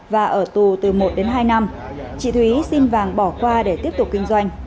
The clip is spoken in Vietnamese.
và ở tù từ một đến hai năm chị thúy xin vàng bỏ qua để tiếp tục kinh doanh